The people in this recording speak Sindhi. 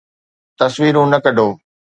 تصويرون نه ڪڍو